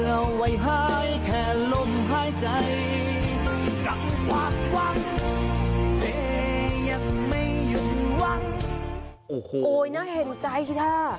โอ้โหโอ๊ยน่าเห็นใจที่น่า